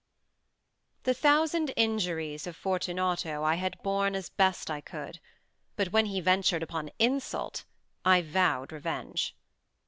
The thousand injuries of Fortunato I had borne as I best could; but when he ventured upon insult, I vowed revenge.